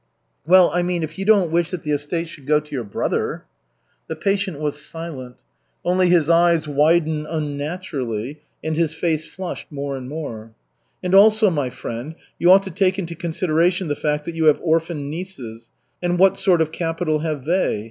"Well, I mean, if you don't wish that the estate should go to your brother." The patient was silent. Only his eyes widened unnaturally and his face flushed more and more. "And also, my friend, you ought to take into consideration the fact that you have orphaned nieces and what sort of capital have they?